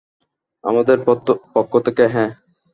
আমাদের পক্ষ থেকে হ্যাঁ।